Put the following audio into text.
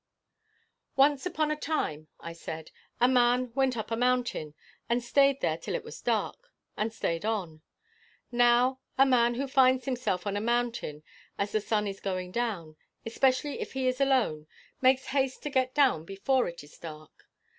"Once upon a time," I said, "a man went up a mountain, and stayed there till it was dark, and stayed on. Now, a man who finds himself on a mountain as the sun is going down, especially if he is alone, makes haste to get down before it is dark.